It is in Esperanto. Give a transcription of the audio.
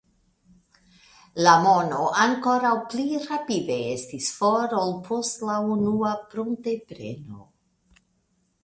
La mono ankoraŭ pli rapide estis for ol post la unua pruntepreno.